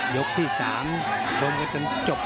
ยกที่๓ชมกันจนจบ